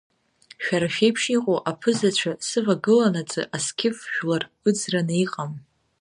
Шәара шәеиԥш иҟоу аԥызацәа сывагыланаҵы асқьыф жәлар ыӡраны иҟам.